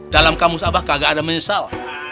dalam kamus abah kagak ada menyesal